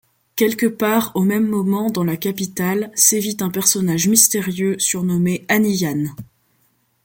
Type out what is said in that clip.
Quelque part, au même moment, dans la capitale, sévit un personnage mystérieux, surnommé Anniyan.